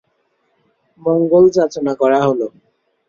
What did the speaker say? মঙ্গল যাচনা করা হলো।